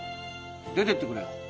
出てってくれよ。